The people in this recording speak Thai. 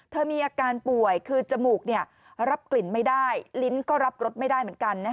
มีอาการป่วยคือจมูกรับกลิ่นไม่ได้ลิ้นก็รับรสไม่ได้เหมือนกัน